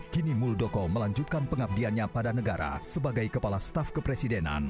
kini muldoko melanjutkan pengabdiannya pada negara sebagai kepala staf kepresidenan